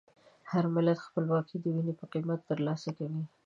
هر ملت خپلواکي د وینې په قیمت ترلاسه کوي.